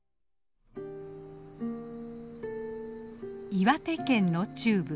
岩手県の中部。